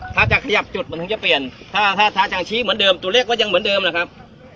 ถ้าจะขยับจุดมันถึงจะเปลี่ยนถ้าถ้ายังชี้เหมือนเดิมตัวเลขก็ยังเหมือนเดิมนะครับ